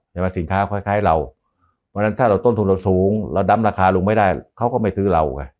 สินค้าคล้ายเราเพราะฉะนั้นถ้าเราต้นทุนเราสูงเราดำราคาลงไม่ได้เขาก็ไม่ซื้อเราไง